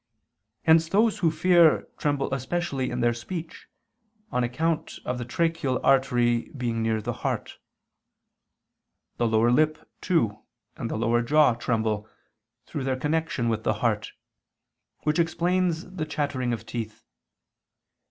Hence those who fear tremble especially in their speech, on account of the tracheal artery being near the heart. The lower lip, too, and the lower jaw tremble, through their connection with the heart; which explains the chattering of the teeth.